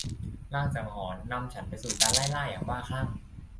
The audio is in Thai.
ลางสังหรณ์นำฉันไปสู่การไล่ล่าอย่างบ้าคลั่ง